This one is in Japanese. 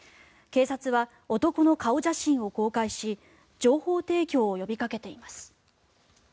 警察は男の顔写真を公開し情報提供を呼びかけています。